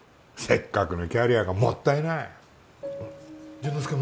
せっかくのキャリアがもったいない潤之